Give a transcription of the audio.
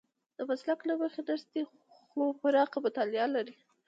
د مسلک له مخې نرس دی خو پراخه مطالعه لري.